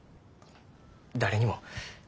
誰にも。